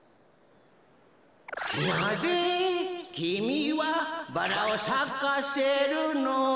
「なぜきみはバラをさかせるの」